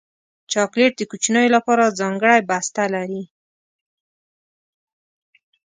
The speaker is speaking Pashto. چاکلېټ د کوچنیو لپاره ځانګړی بسته لري.